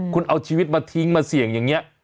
คุณเอาชีวิตมาทิ้งมาเสี่ยงอย่างนี้